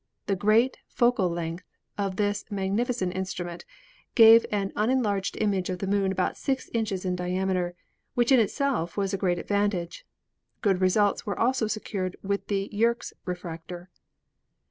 The great focal length of this mag nificent instrument gave an unenlarged image of the Moon about six inches in diameter, which in itself was a great advantage." Good results were also secured with the Yerkes refractor.